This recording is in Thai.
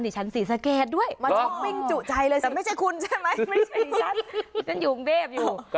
ไม่ใช่ฉันฉันอยู่อุ้งเวพย์อยู่